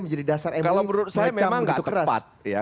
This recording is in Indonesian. menjadi dasar emosi kalau menurut saya memang nggak